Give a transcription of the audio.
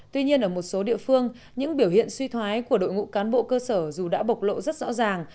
tuy nhiên ở một số địa phương những biểu hiện suy thoái của đội ngũ cán bộ cơ sở dù đã bộc lộ rất rõ ràng